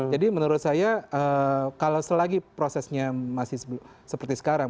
jadi menurut saya kalau selagi prosesnya masih seperti sekarang